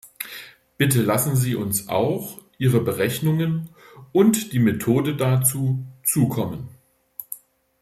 Bitte lassen Sie uns auch Ihre Berechnungen und die Methode dazu zukommen.